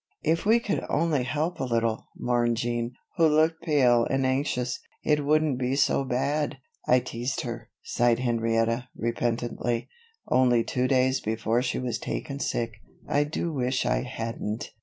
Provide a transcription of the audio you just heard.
"If we could only help a little," mourned Jean, who looked pale and anxious, "it wouldn't be so bad." "I teased her," sighed Henrietta, repentantly, "only two days before she was taken sick. I do wish I hadn't."